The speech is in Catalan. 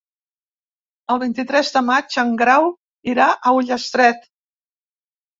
El vint-i-tres de maig en Grau irà a Ullastret.